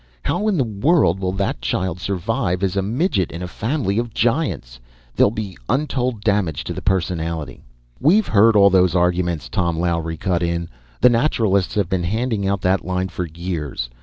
How in the world will that child survive as a midget in a family of giants? There'll be untold damage to the personality " "We've heard all those arguments," Tom Lowery cut in. "The Naturalists have been handing out that line for years.